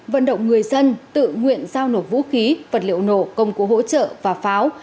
vận động người dân tự nguyện giao nộp vũ khí vật liệu nổ công cụ hỗ trợ và pháo